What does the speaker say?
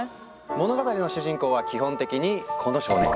物語の主人公は基本的にこの少年！